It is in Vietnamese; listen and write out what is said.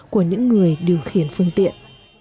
của những người điều khiển phương tiện